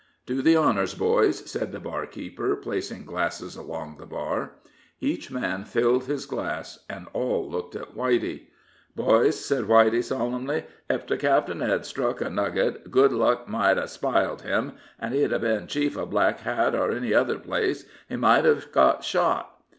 "Do the honors, boys," said the barkeeper, placing glasses along the bar. Each man filled his glass, and all looked at Whitey. "Boys," said Whitey, solemnly, "ef the cap'en hed struck a nugget, good luck might hev spiled him; ef he'd been chief of Black Hat, or any other place, he might hev got shot.